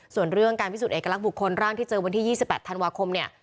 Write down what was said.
ส่วนเรื่องการพิสูจนเอกลักษณ์บุคคลร่างที่เจอวันที่๒๘ธันวาคมเนี่ย